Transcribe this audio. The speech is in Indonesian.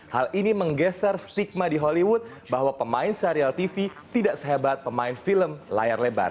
hal ini menggeser stigma di hollywood bahwa pemain serial tv tidak sehebat pemain film layar lebar